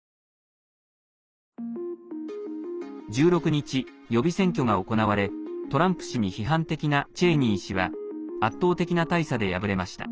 １６日、予備選挙が行われトランプ氏に批判的なチェイニー氏は圧倒的な大差で敗れました。